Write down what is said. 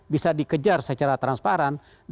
bisa dikejar secara transparan